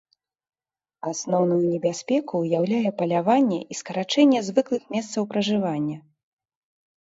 Асноўную небяспеку ўяўляе паляванне і скарачэнне звыклых месцаў пражывання.